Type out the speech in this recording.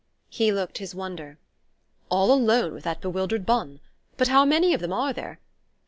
He looked his wonder. "All alone with that bewildered bonne? But how many of them are there?